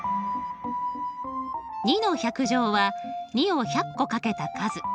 ２の１００乗は２を１００個掛けた数。